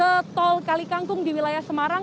ke tol kalikangkung di wilayah semarang